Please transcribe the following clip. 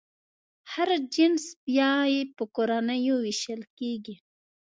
هر جنس بیا په کورنیو وېشل کېږي.